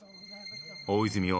大泉洋